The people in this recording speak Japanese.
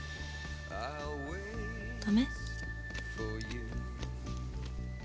ダメ？